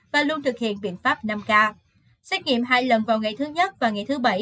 và luôn thực hiện biện pháp năm k xét nghiệm hai lần vào ngày thứ nhất và ngày thứ bảy